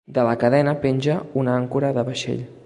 De la cadena penja una àncora de vaixell.